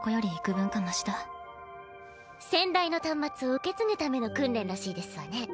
先代の端末を受け継ぐための訓練らしいですわね。